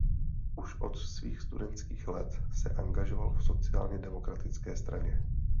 Už od svých studentských let se angažoval v sociálně demokratické straně.